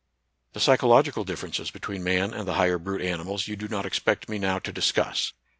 The psychological differences between man and the higher brute animals you do not expect me now to discuss.